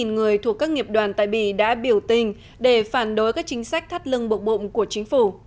bốn mươi năm người thuộc các nghiệp đoàn tại bì đã biểu tình để phản đối các chính sách thắt lưng bộ bộ của chính phủ